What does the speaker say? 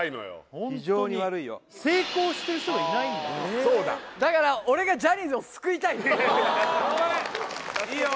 ホントに非常に悪いよ成功してる人がいないんだそうだだから俺がジャニーズを救いたいいいよ！